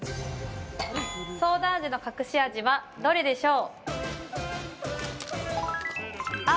ソーダ味の隠し味はどれでしょう？